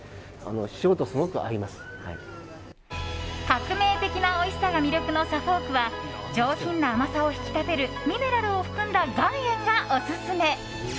革命的なおいしさが魅力のサフォークは上品な甘さを引き立てるミネラルを含んだ岩塩がオススメ。